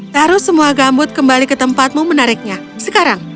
taruh semua gambut kembali ke tempatmu menariknya sekarang